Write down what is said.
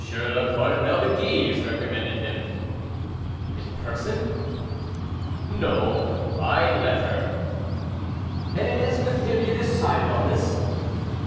le Cardinal de Guise recommended him." "In person?" "No, by letter." "And it is with him you decided on this?"